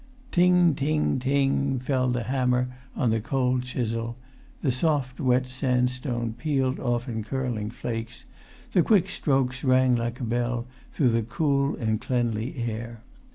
Ting, ting, ting, fell the hammer on the cold chisel; the soft, wet sandstone peeled off in curling flakes; the quick strokes rang like a bell through the cool and cleanly air.